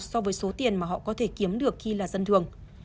so với số tiền mà họ có thể kiếm được khi là dân thường